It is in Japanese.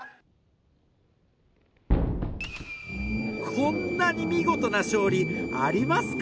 こんなに見事な勝利ありますか？